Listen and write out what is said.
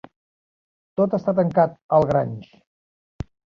Tot està tancat al Grange.